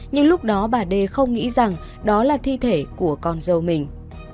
nhưng lúc đó bà đê không nghĩ rằng đó là thi thể của con dâu mình